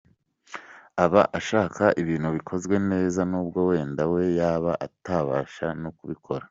Aba ashaka ibintu bikozwe neza nubwo wenda we yaba atabasha no kubikora.